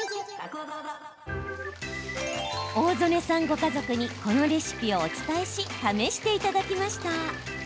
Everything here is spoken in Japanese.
大曽根さんご家族にこのレシピをお伝えし試していただきました。